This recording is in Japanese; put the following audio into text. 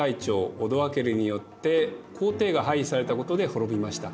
オドアケルによって皇帝が廃位されたことで滅びました。